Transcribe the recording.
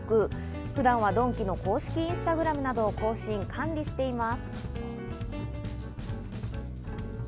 普段はドンキの公式インスタグラムなどを更新・管理しています。